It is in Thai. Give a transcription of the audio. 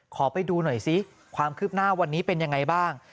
ขอไปดูหน่อยซิความคืบหน้าวันนี้เป็นยังไงบ้าง